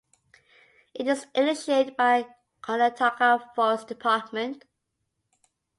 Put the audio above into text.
It is an initiate by Karnataka Forest Department.